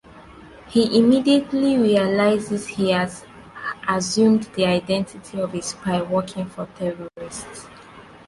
He immediately realizes he has assumed the identity of a spy working for terrorists.